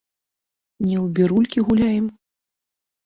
Не ў бірулькі гуляем.